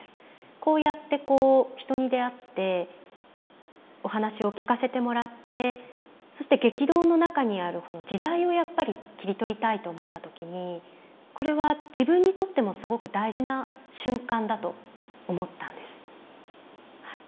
こうやってこう人に出会ってお話を聞かせてもらってそして激動の中にある時代をやっぱり切り取りたいと思った時にこれは自分にとってもすごく大事な瞬間だと思ったんです。